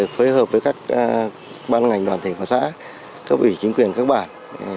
phối hợp với các ban ngành đoàn thể của xã cấp ủy chính quyền các bản